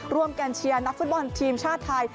กันเชียร์นักฟุตบอลทีมชาติไทย